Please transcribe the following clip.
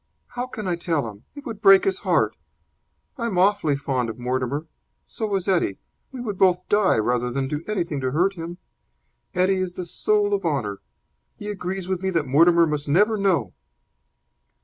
"How can I tell him? It would break his heart. I am awfully fond of Mortimer. So is Eddie. We would both die rather than do anything to hurt him. Eddie is the soul of honour. He agrees with me that Mortimer must never know."